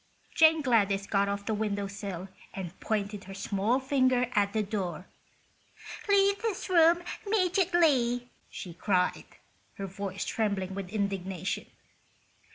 Jane Gladys got off the window sill and pointed her small finger at the door. "Leave this room 'meejitly!" she cried, her voice trembling with indignation.